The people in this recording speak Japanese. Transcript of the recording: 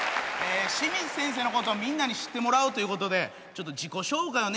清水先生のことをみんなに知ってもらうということで自己紹介をね